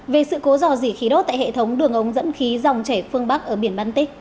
về sự cố dò dỉ khí đốt tại hệ thống đường ống dẫn khí dòng chảy phương bắc ở biển baltic